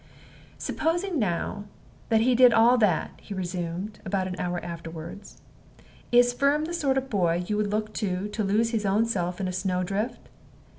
"Supposing now that he did all that," he resumed, about an hour afterward, "is Firm the sort of boy you would look to to lose his own self in a snow drift?